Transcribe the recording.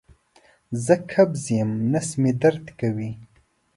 زه قبض یم نس مې درد کوي